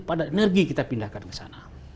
padat energi kita pindahkan kesana